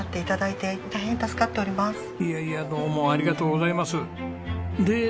いやいやどうもありがとうございます。